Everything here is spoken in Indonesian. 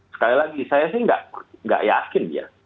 sekali lagi saya sih nggak yakin ya